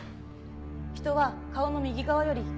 人は顔の右側より左側の方。